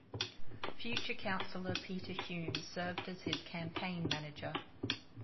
Future councillor Peter Hume served as his campaign manager.